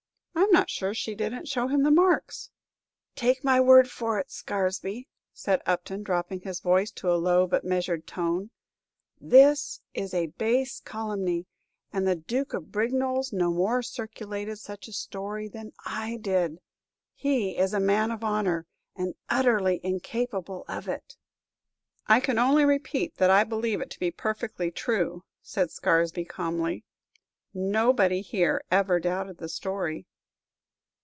I 'm not sure she didn't show him the marks." "Take my word for it, Scaresby," said Upton, dropping his voice to a low but measured tone, "this is a base calumny, and the Duke of Brignolles no more circulated such a story than I did. He is a man of honor, and utterly incapable of it." "I can only repeat that I believe it to be perfectly true!" said Scaresby, calmly. "Nobody here ever doubted the story."